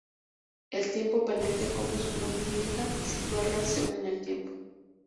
El tiempo permite, como su nombre indica, situar la acción en el tiempo.